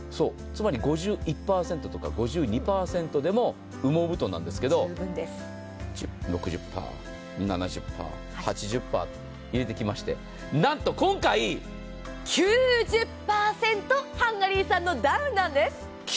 つまり５１％とか５２％でも羽毛布団なんですけれども、６０％、７０％、８０％と入れていきまして、なんと今回、９０％ハンガリー産のダウンなんです。